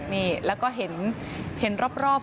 นี่แล้วก็เห็นรอบ